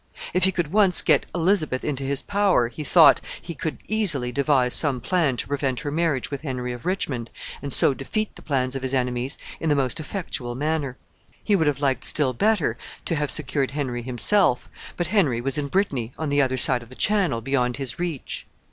If he could once get Elizabeth into his power, he thought, he could easily devise some plan to prevent her marriage with Henry of Richmond, and so defeat the plans of his enemies in the most effectual manner. He would have liked still better to have secured Henry himself; but Henry was in Brittany, on the other side of the Channel, beyond his reach.